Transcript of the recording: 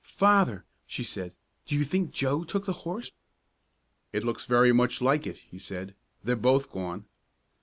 "Father," she said, "do you think Joe took the horse?" "It looks very much like it," he said. "They're both gone."